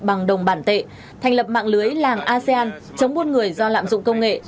bằng đồng bản tệ thành lập mạng lưới làng asean chống buôn người do lạm dụng công nghệ